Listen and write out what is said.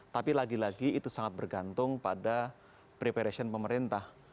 tapi lagi lagi itu sangat bergantung pada preparation pemerintah